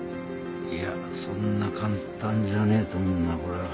いやそんな簡単じゃねぇと思うなこれは。